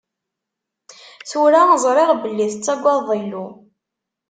Tura, ẓriɣ belli tettagadeḍ Illu.